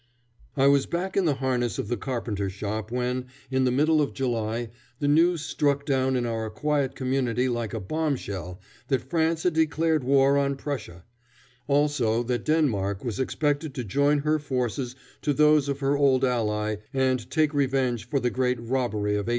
I was back in the harness of the carpenter shop when, in the middle of July, the news struck down in our quiet community like a bombshell that France had declared war on Prussia; also that Denmark was expected to join her forces to those of her old ally and take revenge for the great robbery of 1864.